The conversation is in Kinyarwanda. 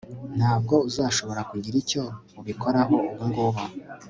Ntabwo uzashobora kugira icyo ubikoraho ubungubu